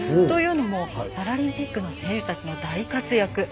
というのもパラリンピックの選手たちの大活躍。